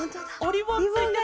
リボンがついてる。